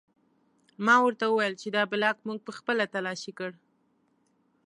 ما ورته وویل چې دا بلاک موږ پخپله تلاشي کړ